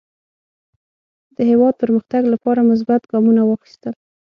د هېواد پرمختګ لپاره مثبت ګامونه واخیستل.